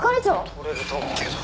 「取れると思うけど」